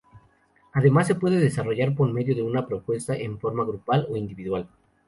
Además se puede desarrollar por medio de una propuesta en forma grupal o individual.